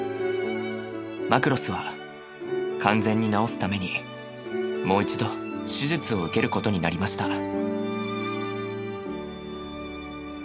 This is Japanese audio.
マクロスは完全に治すためにもう一度手術を受けることになりました。